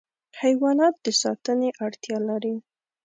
حیوانات د ساتنې اړتیا لري.